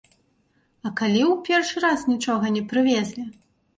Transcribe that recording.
А калі ў першы раз нічога не прывезлі?